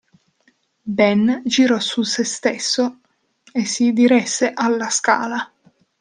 Ben girò su sé stesso e si diresse alla scala.